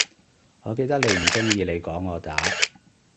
我記得你唔鍾意你講我打